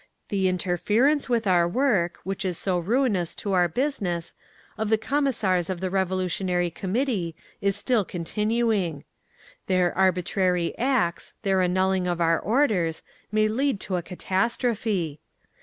"The interference with our work—which is so ruinous to our business—of the Commissars of the Military Revolutionary Committee is still continuing. "THEIR ARBITRARY ACTS, their annulling of our orders, MAY LEAD TO A CATASTROPHE.